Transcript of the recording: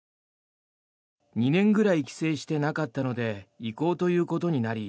２年ぐらい帰省してなかったので行こうということになり